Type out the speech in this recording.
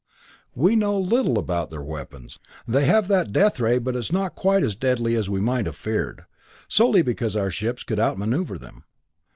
"We know little about their weapons. They have that death ray, but it's not quite as deadly as we might have feared, solely because our ships could outmaneuver them.